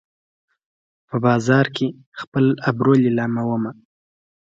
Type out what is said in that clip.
په بازار کې خپل ابرو لیلامومه